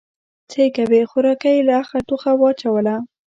_څه يې کوې، خوارکی يې له اخه ټوخه واچوله.